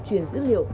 truyền dữ liệu